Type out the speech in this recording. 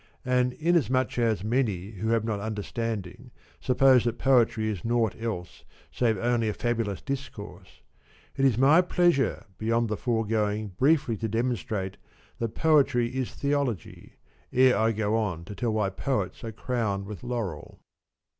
And inasmuch as many who have not understanding suppose that poetry is naught else save only a fabulous discourse, it is my pleasure beyond the foregoing briefly to demonstrate that poetry is Theology, ere I go on to tell why poets are crowned with laurel.